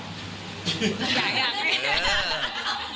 อยากอยากมี